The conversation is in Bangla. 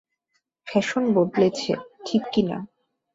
ফ্যাশন বদলেছে, ঠিক কিনা?